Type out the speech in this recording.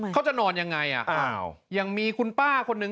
เขาจะนอนยังไงยังมีคุณป้าคนนึง